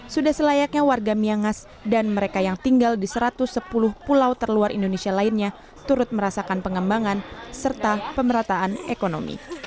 sudah selayaknya warga miangas dan mereka yang tinggal di satu ratus sepuluh pulau terluar indonesia lainnya turut merasakan pengembangan serta pemerataan ekonomi